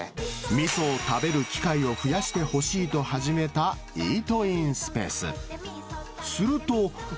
みそを食べる機会を増やしてほしいと始めたイートインスペース。